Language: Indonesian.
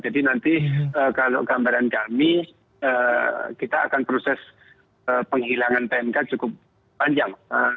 jadi nanti kalau gambaran kami kita akan proses penghilangan pmk cukup panjang